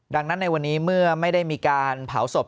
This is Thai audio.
ดังนั้นในวันนี้เมื่อไม่ได้มีการเผาศพ